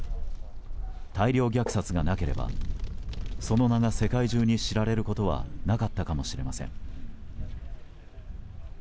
大量虐殺がなければその名が世界中に知られることはなかったかもしれません。